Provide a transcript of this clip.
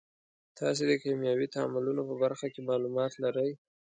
تاسې د کیمیاوي تعاملونو په برخه کې معلومات لرئ.